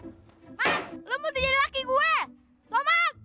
soman lo mau jadi laki gue